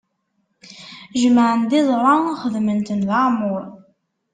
Jemɛen-d iẓra, xedmen-ten d aɛemmuṛ.